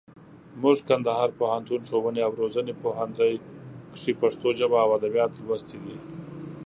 موږ کندهار پوهنتون، ښووني او روزني پوهنځي کښي پښتو ژبه او اودبيات لوستي دي.